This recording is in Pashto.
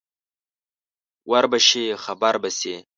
ور به شې خبر به شې